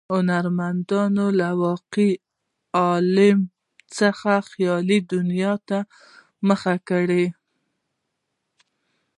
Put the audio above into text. هنرمندانو له واقعي عالم څخه خیالي دنیا ته مخه کړه.